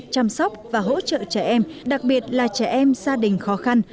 chăm sóc và hỗ trợ trẻ em đặc biệt là trẻ em gia đình khó khăn